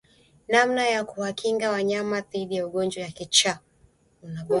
Namna ya kuwakinga wanyama dhidi ya ugonjwa wa kichaa